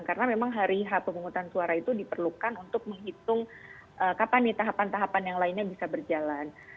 karena memang hari ha pemungutan suara itu diperlukan untuk menghitung kapan nih tahapan tahapan yang lainnya bisa berjalan